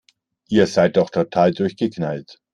Ihr seid doch total durchgeknallt!